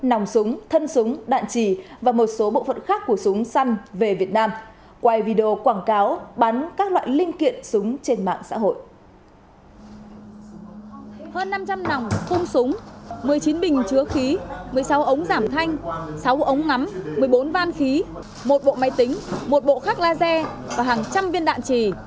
sáu ống ngắm một mươi bốn van khí một bộ máy tính một bộ khắc laser và hàng trăm viên đạn trì